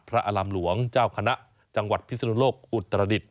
พระอลำหลวงเจ้าคณะจังหวัดพิศไปศนุนโลกอุตรฤทธิ์